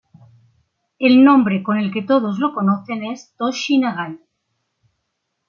El nombre con el que todos lo conocen es "Toshi Nagai".